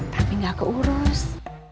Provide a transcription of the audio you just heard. tapi gak keurus